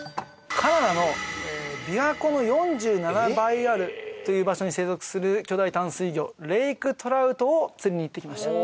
カナダの琵琶湖の４７倍あるという場所に生息する巨大淡水魚レイクトラウトを釣りに行ってきました